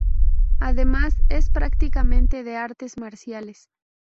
Además es practicante de artes marciales.